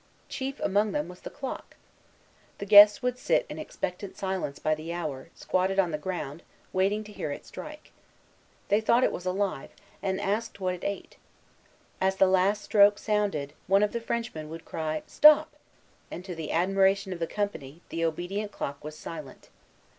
Chief among them was the clock. The guests would sit in expectant silence by the hour, squatted on the ground, waiting to hear it strike. They thought it was alive, and asked what it ate. As the last stroke sounded, one of the Frenchmen would cry "Stop!" and, to the admiration of the company, the obedient clock was silent.